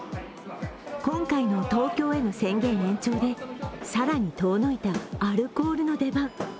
今回の東京への宣言延長で、更に遠のいたアルコールの出番。